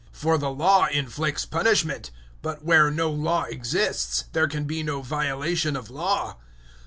004:015 For the Law inflicts punishment; but where no Law exists, there can be no violation of Law.